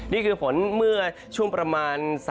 นี่คือฝนเมื่อช่วงประมาณ